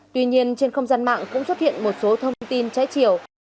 tuy nhiên trên không gian mạng cũng xuất hiện một số thông tin trái chiều